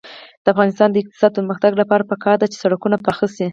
د افغانستان د اقتصادي پرمختګ لپاره پکار ده چې سړکونه پاخه شي.